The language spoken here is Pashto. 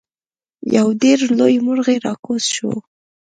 یو ډیر لوی مرغۍ راکوز شو.